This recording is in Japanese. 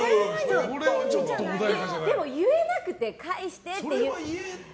でも言えなくて、返してって。